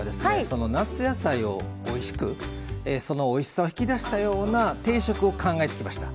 その夏野菜をおいしくそのおいしさを引き出したような定食を考えてきました。